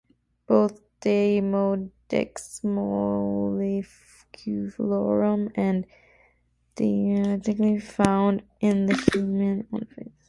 Both "Demodex folliculorum" and "Demodex brevis" are typically found on the human face.